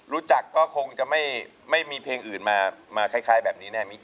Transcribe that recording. รู้จักก็คงจะไม่มีเพลงอื่นมาคล้ายแบบนี้แน่มิก